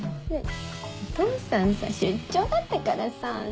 お父さんさ出張だったからさ。